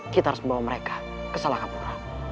kita harus membawa mereka ke salah kapura